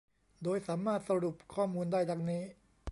โดยสามารถสรุปข้อมูลได้ ดังนี้